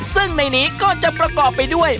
ซึ่งในนี้ก็จะประกอบไปด้วย